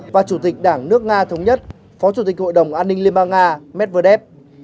và chủ tịch đảng nước nga thống nhất phó chủ tịch hội đồng an ninh liên bang nga medvedev